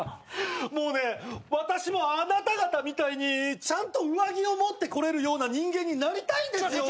もうね私もあなた方みたいにちゃんと上着を持ってこれるような人間になりたいんですよ